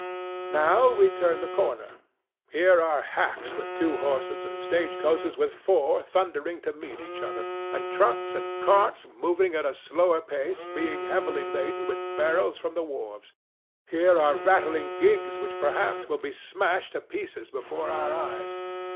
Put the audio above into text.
Now we turn the corner. Here are hacks with two horses and stage coaches with four thundering to meet each other, and trucks and carts moving at a slower pace, being heavily laden with barrels from the wharves; and here are rattling gigs which perhaps will be smashed to pieces before our eyes.